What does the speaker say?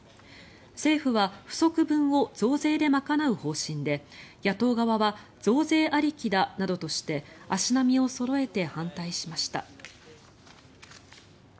政府は不足分を増税で賄う方針で野党側は増税ありきだなどとして足並みをそろえて反対しました。